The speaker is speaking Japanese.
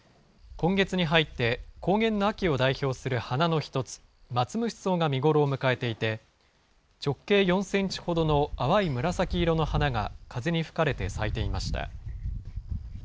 今月に入って、高原の秋を代表する花の１つ、マツムシソウが見頃を迎えていて、直径４センチほどの淡い紫色の花が風に吹かれて咲いていました。